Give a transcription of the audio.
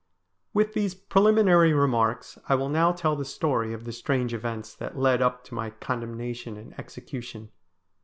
With these preliminary remarks I will now tell the story of the strange events that led up to my condemnation and execution.